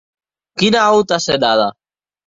Quina auta asenada!